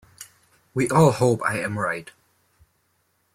We all hope I am right.